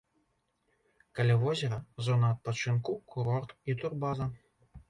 Каля возера зона адпачынку, курорт і турбаза.